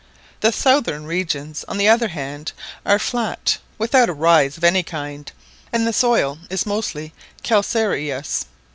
The southern regions, on the other band, are flat, without a rise of any kind, and the soil is mostly calcareous.